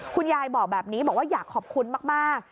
คุณยายบอกแบบนี้บอกว่าอยากขอบคุณมาก